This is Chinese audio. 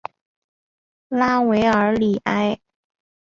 拉韦尔里埃。